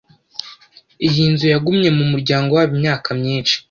Iyi nzu yagumye mu muryango wabo imyaka myinshi.